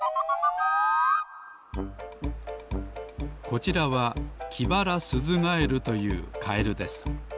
こちらはキバラスズガエルというカエルです。